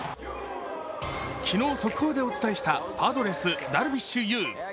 昨日、速報でお伝えしたパドレス・ダルビッシュ有。